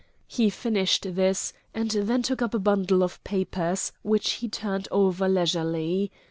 He finished this, and then took up a bundle of papers, which he turned over leisurely.